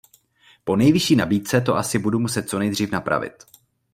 Po Nejvyšší nabídce to asi budu muset co nejdřív napravit.